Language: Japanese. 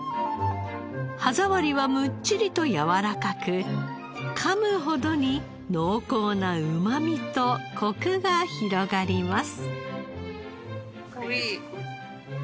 歯触りはむっちりとやわらかくかむほどに濃厚なうまみとコクが広がります。